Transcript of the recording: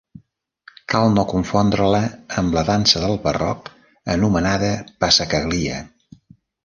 Cal no confondre-la amb la dansa del barroc anomenada passacaglia.